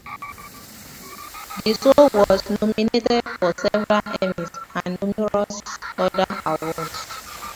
The show was nominated for several Emmys and numerous other awards.